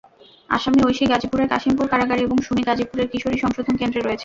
আসামি ঐশী গাজীপুরের কাশিমপুর কারাগারে এবং সুমি গাজীপুরের কিশোরী সংশোধন কেন্দ্রে রয়েছে।